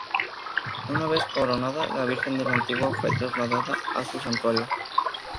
Una vez coronada, la Virgen de la Antigua fue trasladada a su Santuario.